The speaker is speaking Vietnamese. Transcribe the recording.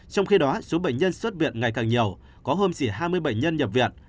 trong khi đó số bệnh nhân xuất viện ngày càng nhiều có hơn chỉ hai mươi bệnh nhân nhập viện